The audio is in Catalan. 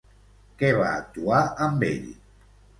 Què va actuar amb ell?